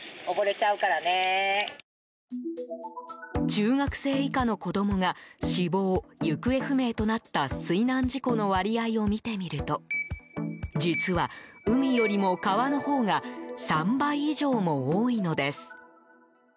中学生以下の子供が死亡・行方不明となった水難事故の割合を見てみると実は、海よりも川のほうが３倍以上も多いのです。